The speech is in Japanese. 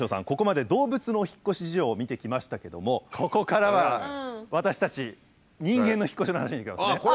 ここまで動物のお引っ越し事情を見てきましたけどもここからは私たち人間の引っ越しの話にいきますね。